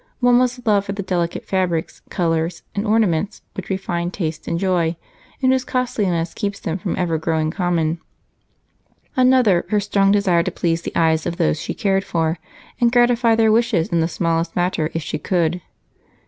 One was a love for the delicate fabrics, colors, and ornaments which refined tastes enjoy and whose costliness keeps them from ever growing common; another, her strong desire to please the eyes of those she cared for and gratify their wishes in the smallest matter if she could.